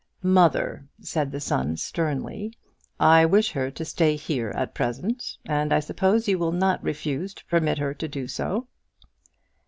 "Mother," said the son, sternly, "I wish her to stay here at present, and I suppose you will not refuse to permit her to do so."